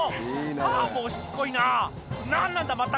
「あもうしつこいな何なんだまったく！」